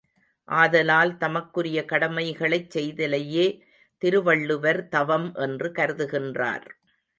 ஆதலால், தமக்குரிய கடமைகளைச் செய்தலையே திருவள்ளுவர் தவம் என்று கருதுகின்றார்.